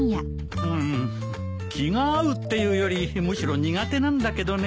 気が合うっていうよりむしろ苦手なんだけどね。